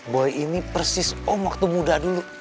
boy ini persis oh waktu muda dulu